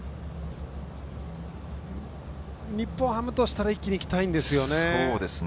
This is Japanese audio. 日本ハムとしたら一気にいきたいんですよね。